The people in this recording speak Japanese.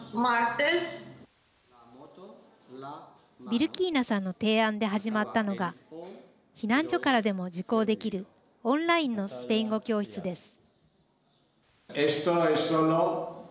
ビルキーナさんの提案で始まったのが避難所からでも受講できるオンラインのスペイン語教室です。